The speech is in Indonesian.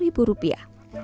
nah benar ya uangnya